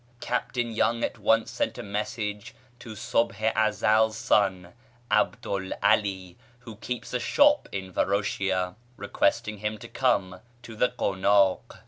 Captain Young at once sent a message to Subh i Ezel's son 'Abdu'l 'Alí (who keeps a shop in Varoshia) requesting him to come to the konák.